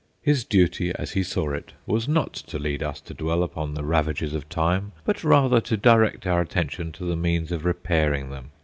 His duty, as he saw it, was not to lead us to dwell upon the ravages of time, but rather to direct our attention to the means of repairing them.